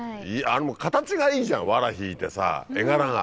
形がいいじゃんわら引いてさぁ画柄が。